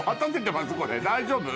大丈夫？